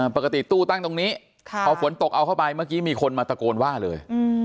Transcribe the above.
ปกติตู้ตั้งตรงนี้พอฝนตกเอาเข้าไปเมื่อกี้มีคนมาตะโกนว่าเลย